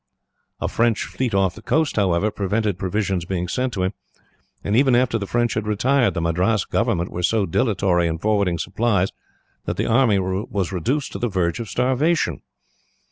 A French fleet off the coast, however, prevented provisions being sent to him, and, even after the French had retired, the Madras government were so dilatory in forwarding supplies that the army was reduced to the verge of starvation.